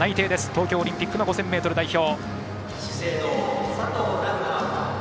東京オリンピックの５０００ｍ代表。